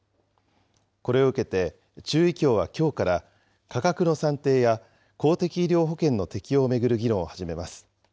これを受けて、中医協はきょうから、価格の算定や、公的医療保険の適用を巡る議論を始めます。